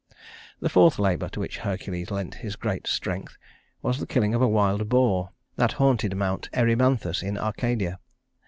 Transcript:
The fourth labor to which Hercules lent his great strength was the killing of a wild boar that haunted Mount Erymanthus in Arcadia.